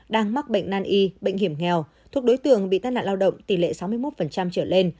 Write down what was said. đang mắc bệnh nan y bệnh hiểm nghèo thuộc đối tượng bị tai nạn lao động tỷ lệ sáu mươi một trở lên